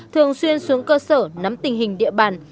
thường xuyên xuống cơ sở nắm tình hình địa bàn